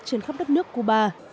trên khắp đất nước cuba